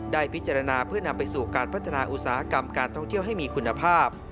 ได้พิจารณาเพื่อนำไปสู่การพัฒนาอุตสาหกรรมการท่องเที่ยวให้มีคุณภาพ